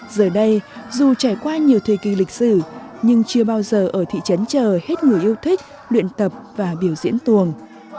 giờ đây dù trải qua nhiều thời kỳ lịch sử nhưng chưa bao giờ ở thị trấn chờ hết người yêu thích luyện tập và biểu diễn tuồng